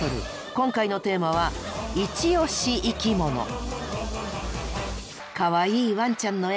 今回のテーマはかわいいワンちゃんの絵。